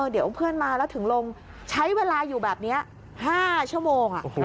เดี๋ยวเพื่อนมาแล้วถึงลงใช้เวลาอยู่แบบนี้๕ชั่วโมง